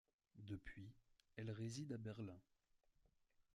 Depuis, elle réside à Berlin.